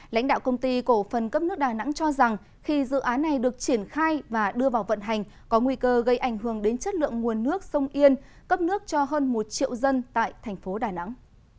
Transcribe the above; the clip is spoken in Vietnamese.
lãnh đạo công ty cổ phần cấp nước đà nẵng cho rằng khi dự án này được triển khai và đưa vào vận hành có nguy cơ gây ảnh hưởng đến chất lượng nguồn nước sông yên cấp nước cho hơn một triệu dân tại thành phố đà nẵng